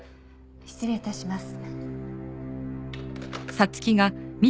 失礼致します。